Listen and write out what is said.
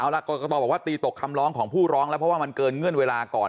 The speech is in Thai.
กรกตตีตกคำร้องของผู้ร้องแล้วเพราะว่ามันเกินเวลาก่อน